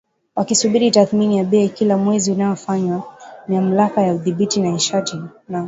wakisubiri tathmini ya bei kila mwezi inayofanywa na Mamlaka ya Udhibiti wa Nishati na